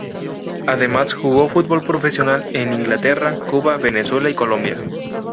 Además, jugó fútbol profesional en Inglaterra, Cuba, Venezuela y Colombia.